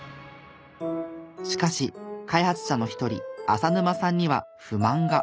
しかし開発者の一人浅沼さんには不満が。